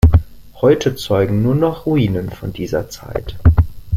Heute zeugen nur noch Ruinen von dieser Zeit.